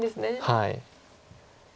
はい。